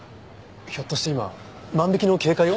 ひょっとして今万引きの警戒を？